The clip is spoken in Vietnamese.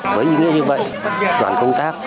với ý nghĩa như vậy đoàn công tác